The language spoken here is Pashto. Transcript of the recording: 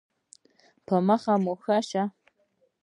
په مخه مو ښه؟